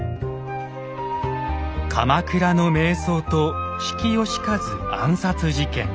鎌倉の名僧と比企能員暗殺事件。